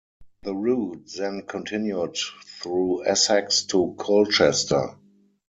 The route then continued through Essex to Colchester.